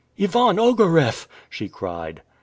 "Ivan Ogareff!" she cried.